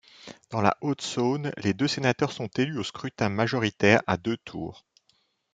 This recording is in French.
Dans la Haute-Saône, les deux sénateurs sont élus au scrutin majoritaire à deux tours.